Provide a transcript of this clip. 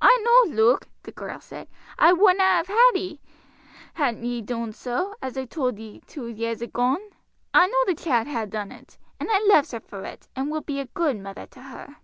"I know, Luke," the girl said, "I wouldna have had ye, hadn't ye doon so, as I told ye two years agone. I know the child ha' done it, and I loves her for it, and will be a good mother to her."